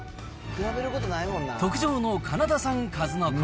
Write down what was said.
特上のカナダ産かずのこ。